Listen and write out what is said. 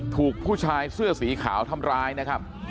ถูกผู้ชายเสื้อสีขาวทำร้ายนะครับ